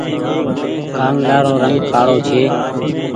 ڪآنگلآ رو رنگ ڪآڙو ڇي۔